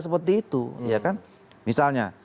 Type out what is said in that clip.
seperti itu ya kan misalnya